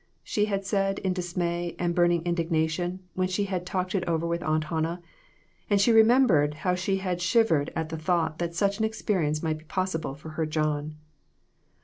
she had said in dismay and burning indig nation when she had talked it over with Aunt Hannah, and she remembered how she had shiv ered at the thought that such an experience might be possible for her John.